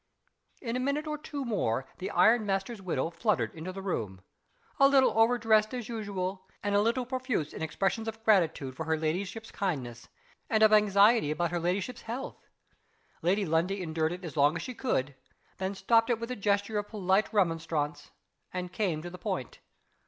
In a minute or two more the iron master's widow fluttered into the room a little over dressed as usual; and a little profuse in expressions of gratitude for her ladyship's kindness, and of anxiety about her ladyship's health. Lady Lundie endured it as long as she could then stopped it with a gesture of polite remonstrance, and came to the point.